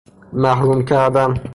محروم کردن